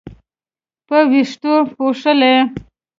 په وېښتو پوښلې